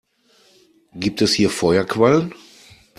Gibt es hier Feuerquallen?